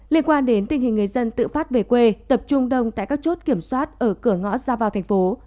liên quan đến tình hình người dân tự phát về quê tập trung đông tại các chốt kiểm soát ở cửa ngõ ra vào thành phố